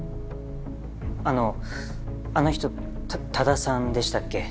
あのあの人た多田さんでしたっけ？